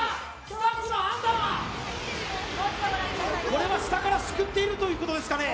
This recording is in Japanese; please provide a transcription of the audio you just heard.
これは下からすくっているということですかね